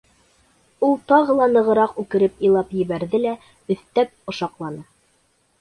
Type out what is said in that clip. — Ул тағы ла нығыраҡ үкереп илап ебәрҙе лә өҫтәп ошаҡланы: